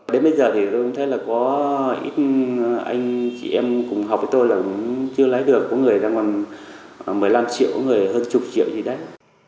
đến bây giờ thì tôi cũng thấy là có ít anh chị em cùng học với tôi là chưa lấy được có người đang còn một mươi năm triệu có người hơn chục triệu gì đấy